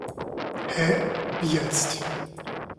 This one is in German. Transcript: Hä, wie jetzt?